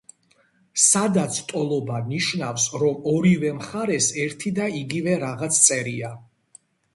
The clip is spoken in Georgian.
სადაც ტოლობა ნიშნავს, რომ ორივე მხარეს ერთი და იგივე რაღაც წერია.